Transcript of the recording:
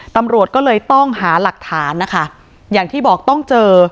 ตำรวจก็เลยต้องหาหลักฐานนะคะอย่างที่บอกต้องเจอ